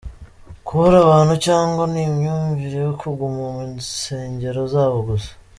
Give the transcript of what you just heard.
kubura abantu cyangwa ni imyumvire yo kuguma mu nsegero zabo gusa .